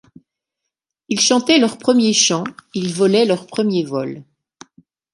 Ils chantaient leur premier chant, ils volaient leur premier vol.